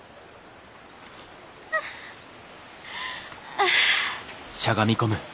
ああ。